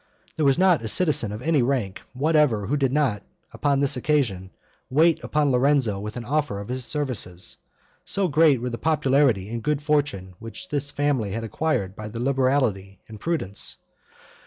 There was not a citizen of any rank whatever who did not, upon this occasion, wait upon Lorenzo with an offer of his services; so great were the popularity and good fortune which this family had acquired by their liberality and prudence.